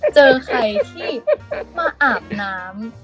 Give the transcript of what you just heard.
เจอใครที่มาอาบน้ำ